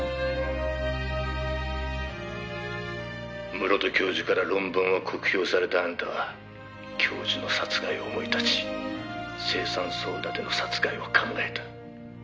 「室戸教授から論文を酷評されたあんたは教授の殺害を思い立ち青酸ソーダでの殺害を考えた」